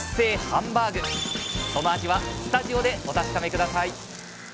その味はスタジオでお確かめ下さい！